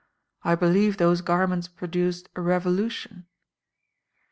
"I believe tftose garments produced a revolution."